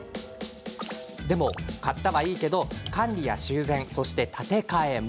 でも買ったはいいけど管理や修繕、そして建て替えも。